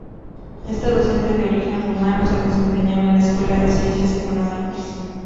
Este docente de origen rumano se desempeñaba en la Escuela de Ciencias Económicas.